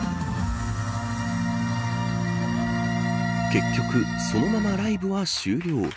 結局、そのままライブは終了。